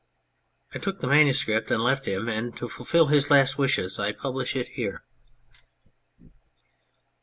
I took the manuscript and left him, and to fulfil his last wishes I publish it here.